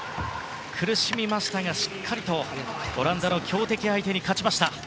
苦しみましたが、しっかりとオランダの強敵相手に勝ちました。